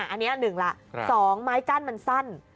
อันนี้หนึ่งล่ะสองไม้กั้นมันสั้น